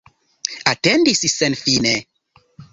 Atendis senfine.